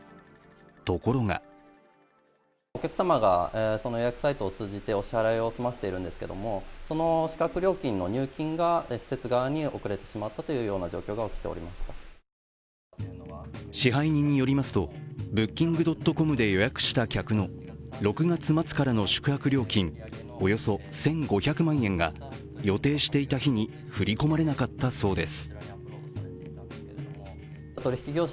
ところが支配人によりますと、Ｂｏｏｋｉｎｇ．ｃｏｍで予約した客の６月末からの宿泊料金およそ１５００万円が、予定していた日に振り込まれなかったそうです。